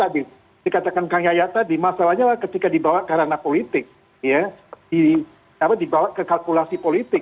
dikatakan kang yaya tadi masalahnya ketika dibawa ke ranah politik dibawa ke kalkulasi politik